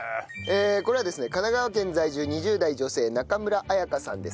これはですね神奈川県在住２０代女性中村彩芳さんです。